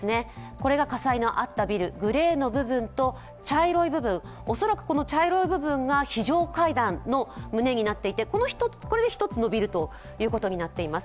これが火災のあったビル、グレーの部分と茶色い部分、恐らくこの茶色い部分が非常階段の棟になっていて、これが１つのビルとなっています。